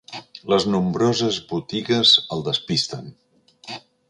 Les nombroses botigues el despisten.